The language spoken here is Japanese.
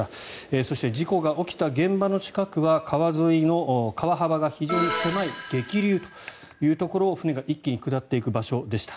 そして事故が起きた現場の近くは川沿いの川幅が非常に狭い激流というところを船が一気に下っていく場所でした。